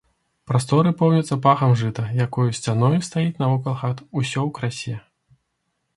Прасторы поўняцца пахам жыта, якое сцяною стаіць навакол хат, усё ў красе.